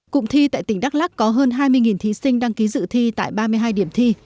cụm thi tại tỉnh đắk lắc có hơn hai mươi thí sinh đăng ký dự thi tại ba mươi hai điểm thi